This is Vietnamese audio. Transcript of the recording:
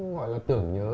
gọi là tưởng nhớ